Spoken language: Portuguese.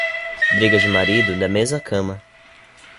Brigas de marido, da mesa à cama.